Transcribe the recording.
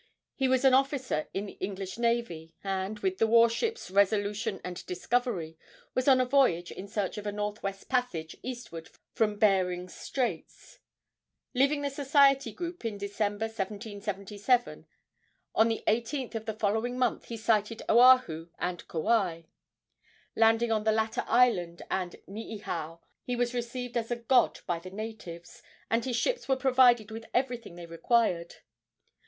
He was an officer in the English navy, and, with the war ships Resolution and Discovery, was on a voyage in search of a northwest passage eastward from Behring's Straits. Leaving the Society group in December, 1777, on the 18th of the following month he sighted Oahu and Kauai. Landing on the latter island and Niihau, he was received as a god by the natives, and his ships were provided with everything they required.